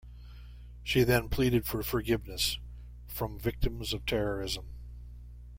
She then pleaded for forgiveness from victims of terrorism.